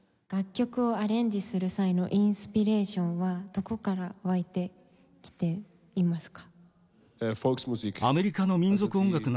楽曲をアレンジする際のインスピレーションはどこから湧いてきていますか？